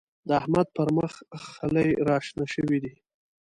د احمد پر مخ خلي راشنه شوي دی.